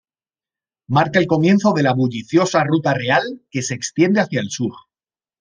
Marca el comienzo de la bulliciosa Ruta Real, que se extiende hacia el sur.